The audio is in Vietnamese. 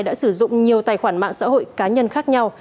đã sử dụng nhiều tài khoản mạng xã hội cá nhân khác nhau